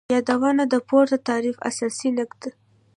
یادونه : د پورته تعریف اساسی نقاط